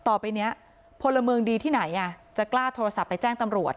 ต่อไปนี้พลเมืองดีที่ไหนจะกล้าโทรศัพท์ไปแจ้งตำรวจ